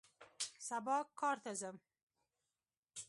سبا کار ته راځم